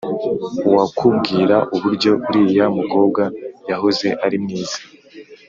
Uwakubwira uburyo uriya mukobwa yahoze ari mwiza